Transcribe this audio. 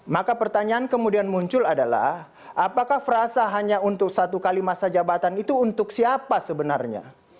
maka pertanyaan kemudian muncul adalah apakah frasa hanya untuk satu kali masa jabatan itu untuk siapa sebenarnya